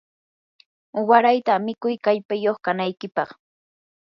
yawarta mikuy kallpayuq kanaykipaq.